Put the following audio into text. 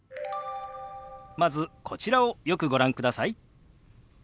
まずこちらをよくご覧ください。